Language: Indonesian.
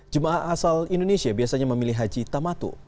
jemaah asal indonesia biasanya memilih haji tamatu